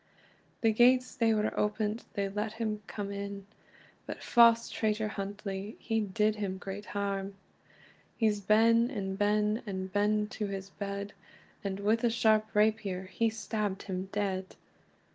The gates they were opent, they let him come in, But fause traitor Huntly, he did him great harm. He's ben and ben, and ben to his bed, And with a sharp rapier he stabbed him dead.